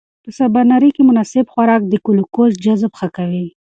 په سباناري کې مناسب خوراک د ګلوکوز جذب ښه کوي.